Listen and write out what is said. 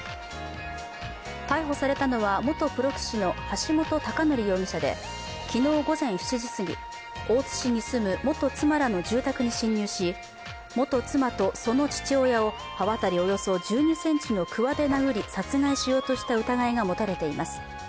逮捕されたのは元プロ棋士の橋本崇載容疑者で、昨日午前７時過ぎ大津市に住む元妻らの住宅に侵入し元妻とその父親を刃渡りおよそ１２ｃｍのくわで殴り殺害しようとした疑いが持たれています。